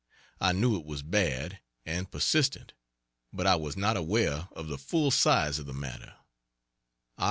I knew it was bad, and persistent, but I was not aware of the full size of the matter.